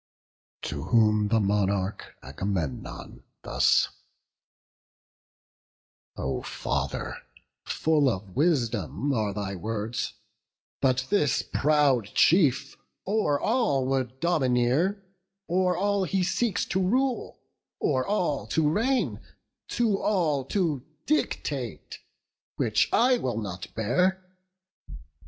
To whom the monarch, Agamemnon, thus: "O father, full of wisdom are thy words; But this proud chief o'er all would domineer; O'er all he seeks to rule, o'er all to reign, To all to dictate; which I will not bear.